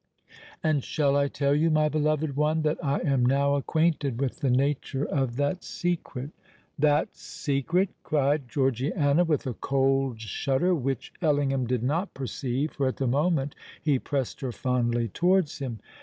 And shall I tell you, my beloved one, that I am now acquainted with the nature of that secret——" "That secret!" cried Georgiana, with a cold shudder—which Ellingham did not perceive, for at the moment he pressed her fondly towards him.